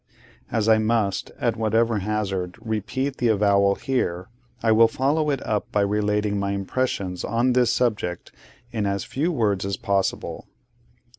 As I must, at whatever hazard, repeat the avowal here, I will follow it up by relating my impressions on this subject in as few words as possible.